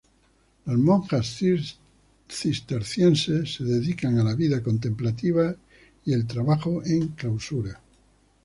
Las monjas cistercienses se dedican a la vida contemplativa y el trabajo en clausura.